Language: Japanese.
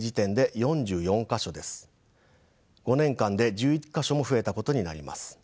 ５年間で１１か所も増えたことになります。